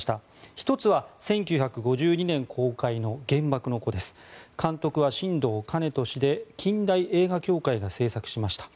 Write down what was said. １つは、１９５２年公開の「原爆の子」です。監督は新藤兼人氏で近代映画協会が製作しました。